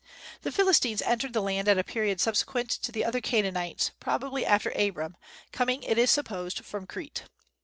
The Philistines entered the land at a period subsequent to the other Canaanites, probably after Abram, coming it is supposed from Crete.